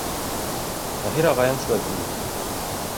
Таһир ағайың шулай тине.